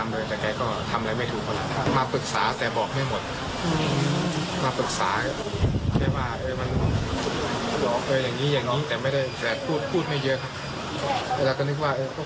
ปล่อยเลยตามเลยแต่แกก็ทำอะไรไม่ถูกแล้ว